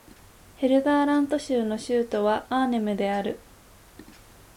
ヘルダーラント州の州都はアーネムである